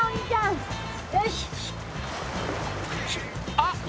あっ！